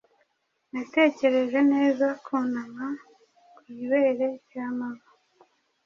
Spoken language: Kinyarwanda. Natekereje neza Kunama ku ibere rya mama.